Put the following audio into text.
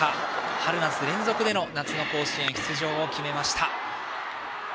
春夏連続での夏の甲子園出場を決めました。